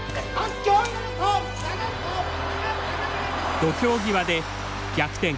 土俵際で逆転。